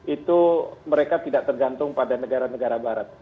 itu mereka tidak tergantung pada negara negara barat